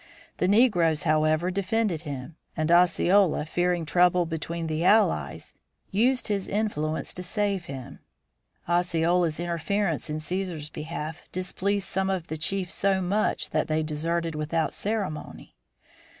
The negroes, however, defended him, and Osceola, fearing trouble between the allies, used his influence to save him. Osceola's interference in Cæsar's behalf displeased some of the chiefs so much that they deserted without ceremony.